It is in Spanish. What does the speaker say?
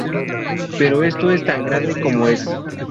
Pero esto es tan grande como es.